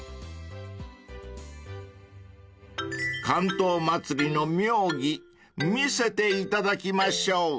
［竿燈まつりの妙技見せていただきましょう］